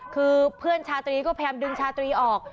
คือเพื่อนชาตรีก็พยายามดึงชาตรีออก